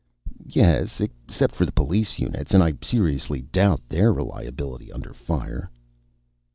"Yes, except for the police units. And I seriously doubt their reliability under fire."